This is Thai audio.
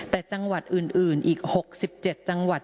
แต่จังหวัดอื่นอีก๖๗จังหวัด